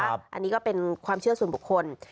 อันนี้ก็เป็นความเชื่อส่วนบุคคล